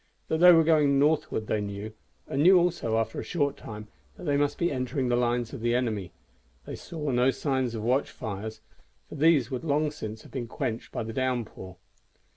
That they were going northward they knew, and knew also, after a short time, that they must be entering the lines of the enemy. They saw no signs of watch fires, for these would long since have been quenched by the downpour.